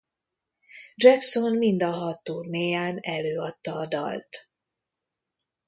Jackson mind a hat turnéján előadta a dalt.